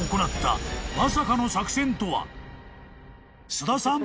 ［菅田さん